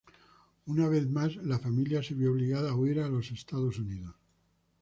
Una vez más la familia se vio obligada a huir a los Estados Unidos.